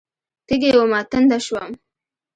تږې ومه، تنده شوم